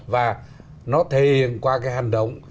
và nó thể hiện qua cái hành động